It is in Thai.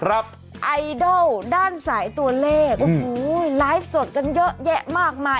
ไอดอลด้านสายตัวเลขโอ้โหไลฟ์สดกันเยอะแยะมากมาย